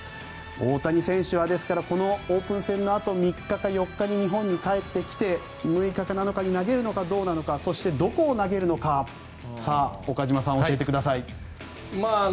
大谷選手はですから、このオープン戦のあと３日か４日に日本に帰ってきて６日か７日に投げるのかどうかそして、どこを投げるのか岡島さん、教えてください。